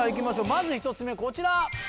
まず１つ目こちら。